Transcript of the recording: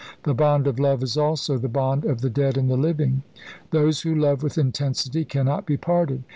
The bond of love is also the bond of the dead and the living. Those who love with intensity cannot be parted.